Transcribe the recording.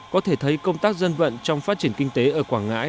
có thể thấy công tác dân vận trong phát triển kinh tế ở quảng ngãi